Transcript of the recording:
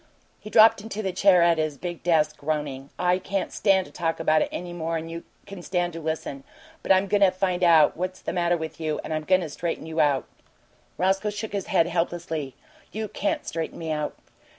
He dropped into the chair at his big desk, groaning. "I can't stand to talk about it any more'n you can to listen, but I'm goin' to find out what's the matter with you, and I'm goin' to straighten you out!" Roscoe shook his head helplessly. "You can't straighten me out."